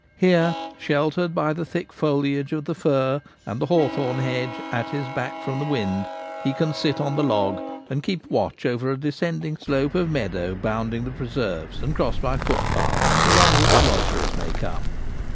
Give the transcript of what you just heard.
Here, shel tered by the thick foliage of the fir and the hawthorn hedge at his back from the wind, he can sit on the log, and keep watch over a descending slope of meadow bounding the preserves and crossed by foot paths, along which loiterers may come.